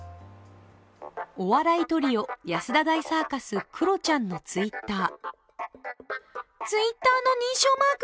お笑いトリオ、安田大サーカス、クロちゃんのＴｗｉｔｔｅｒ。